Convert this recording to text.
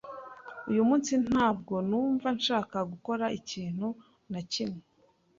Uyu munsi ntabwo numva nshaka gukora ikintu na kimwe.